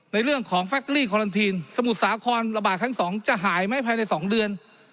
ในเรื่องของสมุทรสาครระบาดครั้งสองจะหายไหมภายในสองเดือน